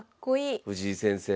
藤井先生も。